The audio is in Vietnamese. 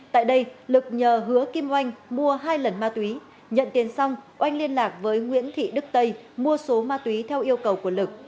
tại đây lực nhờ hứa kim oanh mua hai lần ma túy nhận tiền xong oanh liên lạc với nguyễn thị đức tây mua số ma túy theo yêu cầu của lực